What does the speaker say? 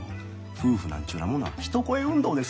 夫婦なんちゅうなものは一声運動ですわ。